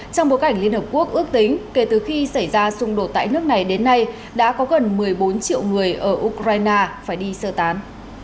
trong bối cảnh liên hợp quốc ước tính kể từ khi xảy ra xung đột tại nước này đến nay đã có gần một mươi bốn triệu người ở ukraine phải đi sơ tán